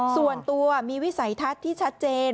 ส่วนตัวมีวิสัยทัศน์ที่ชัดเจน